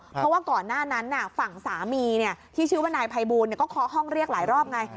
เพราะว่าก่อนหน้านั้นฝั่งสามีที่ชื่อว่านายภัยบูลก็เคาะห้องเรียกหลายรอบไง